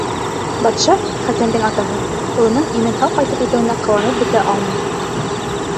Батша, Хәсәндең атаһы, улының имен-һау ҡайтып етеүенә ҡыуанып бөтә алмай.